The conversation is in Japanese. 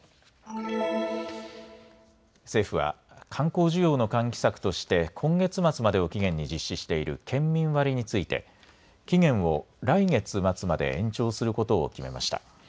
政府は観光需要の喚起策として今月末までを期限に実施している県民割について期限を来月末まで延長することを決めました。